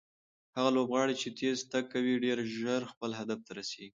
هغه لوبغاړی چې تېز تګ کوي ډېر ژر خپل هدف ته رسیږي.